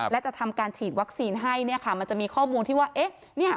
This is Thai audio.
และจะทำการฉีดวัคซีนให้มันจะมีข้อมูลที่ว่า